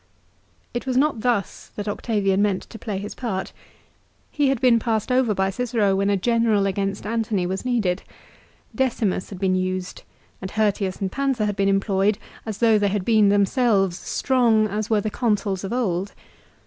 It was not thus that Octavian meant to play his part. He had been^ passed over by Cicero when a general against Antony was needed. Decimus had been used, and Hirtius and Pansa had been employed as though they had been them selves strong as were the Consuls of old.